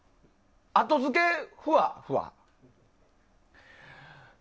後付けふわふわ。